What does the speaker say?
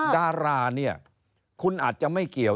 ดาราเนี่ยคุณอาจจะไม่เกี่ยว